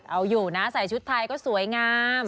เอาอยู่นะใส่ชุดไทยก็สวยงาม